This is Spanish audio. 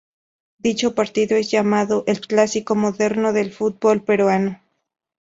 Dicho partido es llamado el "clásico moderno del fútbol peruano".